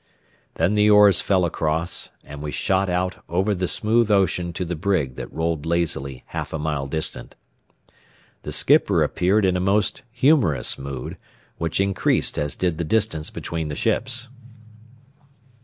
Then the oars fell across, and we shot out over the smooth ocean to the brig that rolled lazily half a mile distant. The skipper appeared in a most humorous mood, which increased as did the distance between the ships.